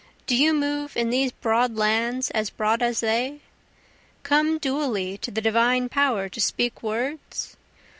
Do you move in these broad lands as broad as they? Come duly to the divine power to speak words?